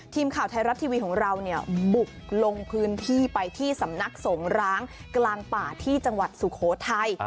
ทีมข่าวไทยรัฐทีวีของเราเนี่ยบุกลงพื้นที่ไปที่สำนักสงร้างกลางป่าที่จังหวัดสุโขทัย